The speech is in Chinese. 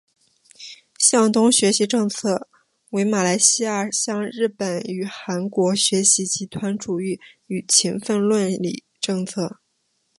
向东学习政策为马来西亚向日本与韩国学习集团主义与勤奋论理政策。